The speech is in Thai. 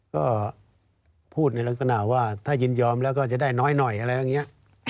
ก็พูดในลักษณะว่าถ้ายินยอมแล้วก็จะได้น้อยหน่อยอะไรอย่างนี้